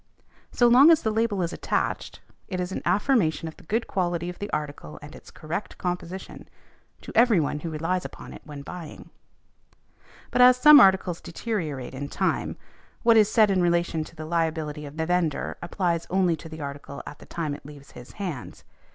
So long as the label is attached, it is an affirmation of the good quality of the article and its correct composition, to every one who relies upon it when buying. But as some articles deteriorate in time, what is said in relation to the liability of the vendor applies only to the article at the time it leaves |180| his hands.